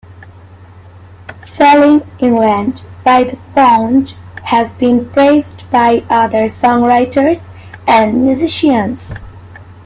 "Selling England by the Pound" has been praised by other songwriters and musicians.